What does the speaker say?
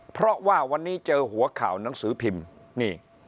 เพราะว่าวันนี้เจอหัวข่าวหนังสือพิมพ์นี่